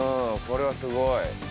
これはすごい。